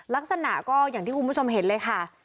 ลักษณะก็อย่างที่คุณผู้ชมเห็นเลยค่ะ